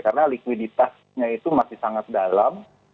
karena likuiditasnya itu masih sangat dalam